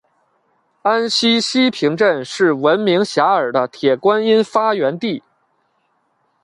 安溪西坪镇是名闻遐迩的铁观音发源地。